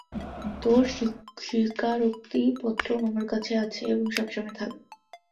তোর স্বীকারোক্তি পত্র আমার কাছে আছে এবং সবসময়ই থাকবে।